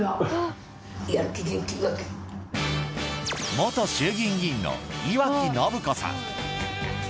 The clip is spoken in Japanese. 元衆議院議員の井脇ノブ子さん。